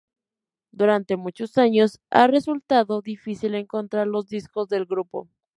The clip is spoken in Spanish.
Durante muchos años ha resultado difícil encontrar los discos del grupo.